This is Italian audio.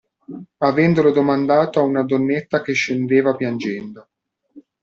Avendolo domandato a una donnetta che scendeva piangendo.